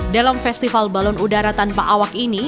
dalam festival balon udara tanpa awak ini